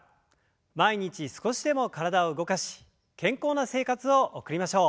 毎日少しでも体を動かし健康な生活を送りましょう。